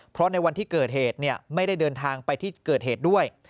เพราะในวันที่เกิดเหตุไม่ได้เดินทางไปที่เกิดเหตุด้วย